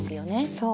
そう。